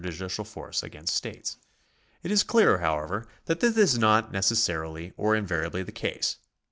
C, 109, §36] THP: state 97 is clear, however, that this is not necessarily or invariably the case.